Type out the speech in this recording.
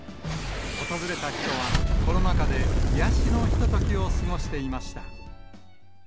訪れた人は、コロナ禍で癒やしのひとときを過ごしていました。